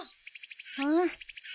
うん？